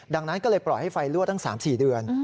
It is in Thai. ดังนั้นก็เลยปล่อยให้ไฟรั่วทั้ง๓๔เดือน